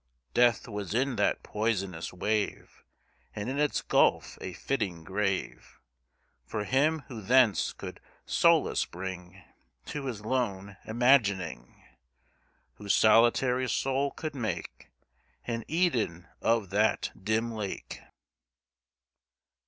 Death was in that poisonous wave, And in its gulf a fitting grave For him who thence could solace bring To his lone imagining Whose solitary soul could make An Eden of that dim lake.